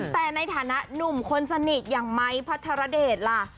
แต่ในฐานะหนุ่มคนสนิทอย่างไม้พัทรเดชล่ะ